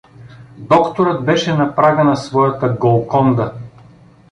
Докторът беше на прага на своята Голконда!